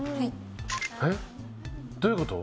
えっ？どういうこと？